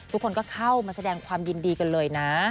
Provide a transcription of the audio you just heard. ทุกคนก็เข้ามาแสดงความยินดีกันเลยนะ